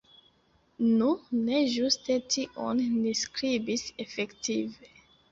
Nu, ne ĝuste tion ni skribis efektive.